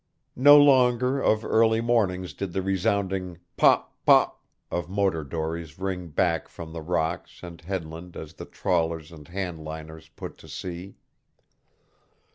No longer of early mornings did the resounding pop! pop! of motor dories ring back from the rocks and headland as the trawlers and hand liners put to sea.